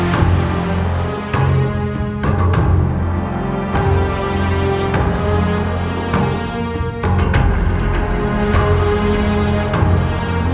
sekarang tamatlah riwayatmu siliwangi sang penguasa kerajaan pajajaran